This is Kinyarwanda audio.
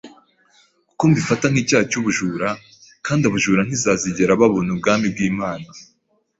kuko mbifata nk’icyaha cy’ubujura kandi abajura ntizazigera babona Ubwami bw’Imana